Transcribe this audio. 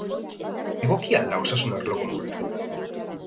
Egokia al da osasun arloko murrizketa?